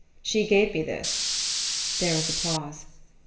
She gave me this." There was a pause.